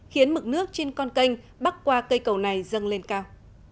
khiến mực nước trên con canh bắc qua cây cầu này dâng lên cao